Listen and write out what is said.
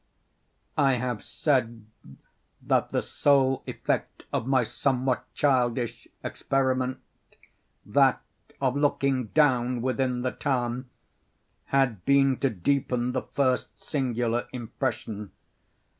I have said that the sole effect of my somewhat childish experiment—that of looking down within the tarn—had been to deepen the first singular impression.